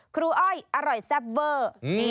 อ้อยอร่อยแซ่บเวอร์